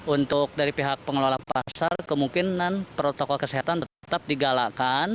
untuk dari pihak pengelola pasar kemungkinan protokol kesehatan tetap digalakkan